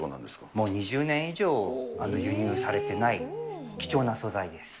もう２０年以上輸入されてない貴重な素材です。